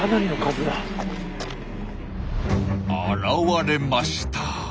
現れました！